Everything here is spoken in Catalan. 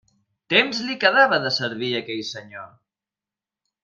Temps li quedava de servir aquell senyor.